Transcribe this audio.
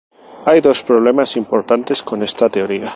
Hay dos problemas importantes con esta teoría.